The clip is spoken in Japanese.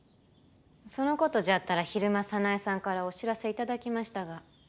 その事じゃったら昼間早苗さんからお知らせ頂きましたが。